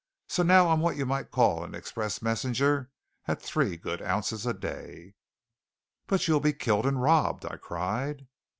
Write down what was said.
So now I'm what you might call an express messenger at three good ounces a day." "But you'll be killed and robbed!" I cried.